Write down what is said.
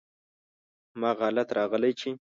هماغه حالت راغلی چې: